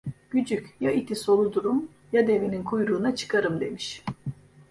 Gücük, ya iti soludurum, ya devenin kuyruğuna çıkarım demiş.